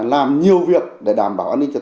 làm nhiều việc để đảm bảo an ninh trật